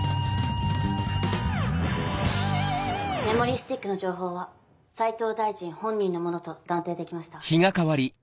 メモリースティックの情報は斎藤大臣本人のものと断定できました。